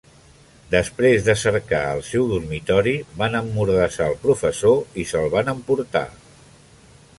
Després de cercar el seu dormitori, van emmordassar el professor i s'el van emportar.